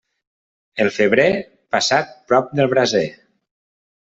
El febrer, passat prop del braser.